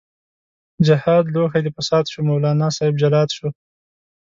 جهاد لوښی د فساد شو، مولانا صاحب جلاد شو